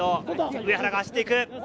上原が走っていく。